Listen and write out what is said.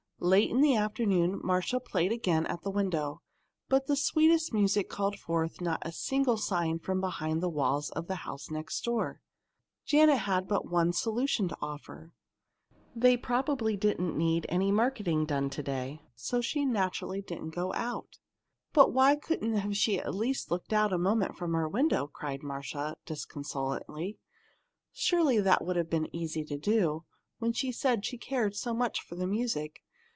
Late in the afternoon Marcia played again at the window, but the sweetest music called forth not a single sign from behind the walls of the house next door. Janet had but one solution to offer. "They probably didn't need any marketing done to day, so she naturally didn't go out." "But why couldn't she have at least looked out a moment from her window?" cried Marcia, disconsolately. "Surely that would have been easy to do, when she said she cared so much for the music.